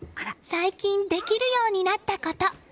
最近できるようになったこと。